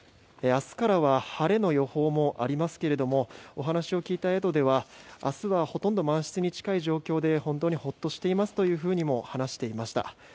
明日からは晴れの予報もありますけれどお話を聞いた宿では明日はほとんど満室に近い状況で本当にホッとしていますというふうにも話していました。